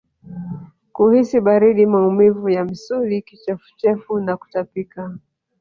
Kuhisi baridi maumivu ya misuli kichefuchefu na kutapika